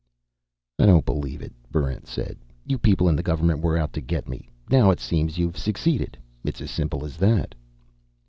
"I don't believe it," Barrent said. "You people in the government were out to get me. Now, it seems, you've succeeded. It's as simple as that."